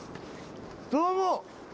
どうも。